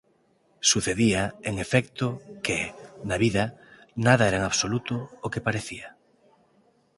Sucedía, en efecto, que, na vida, nada era en absoluto o que parecía.